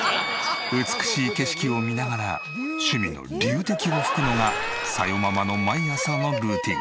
美しい景色を見ながら趣味の龍笛を吹くのが紗代ママの毎朝のルーティン。